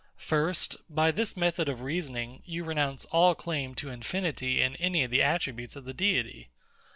First, By this method of reasoning, you renounce all claim to infinity in any of the attributes of the Deity.